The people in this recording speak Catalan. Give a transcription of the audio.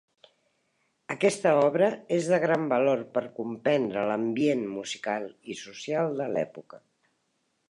Aquesta obra és de gran valor per comprendre l'ambient musical i social de l'època.